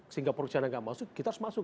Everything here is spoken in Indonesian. singapore dan china nggak masuk kita harus masuk